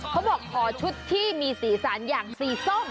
เขาบอกขอชุดที่มีสีสันอย่างสีส้ม